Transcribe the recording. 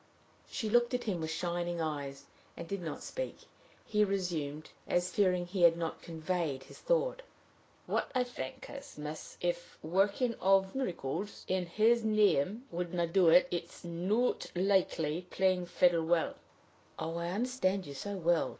She looked at him with shining eyes, and did not speak. He resumed, as fearing he had not conveyed his thought. "What I think I mean is, miss, that, if the working of miracles in his name wouldn't do it, it's not likely playing the fiddle will." "Oh, I understand you so well!"